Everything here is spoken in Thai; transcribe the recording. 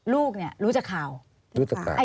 ลูกเนี่ยรู้จักข่าว